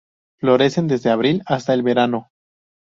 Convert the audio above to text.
Florecen desde abril hasta el verano.